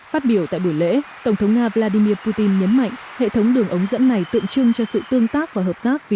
phát biểu tại buổi lễ tổng thống nga vladimir putin nhấn mạnh hệ thống đường ống dẫn này tượng trưng cho sự tương tác và hợp tác vì lợi ích của nga